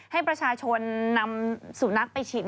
ให้ประชาชนนำสุนัขไปฉีด